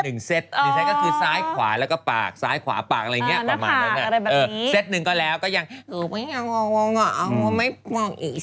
อือคือเราจะออกไปเที่ยวกันนั้นแหละ